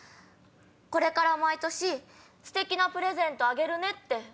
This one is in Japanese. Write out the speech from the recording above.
「これから毎年ステキなプレゼントあげるね」って。